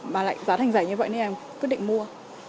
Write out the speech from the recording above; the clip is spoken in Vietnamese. mà lại giá thành rẻ như vậy nên em quyết định mua